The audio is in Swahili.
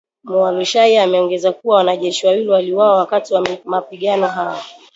Mualushayi ameongeza kuwa, wanajeshi wawili waliuawa wakati wa mapigano hayo